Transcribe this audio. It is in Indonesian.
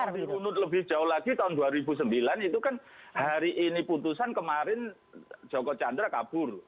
kalau diunut lebih jauh lagi tahun dua ribu sembilan itu kan hari ini putusan kemarin joko chandra kabur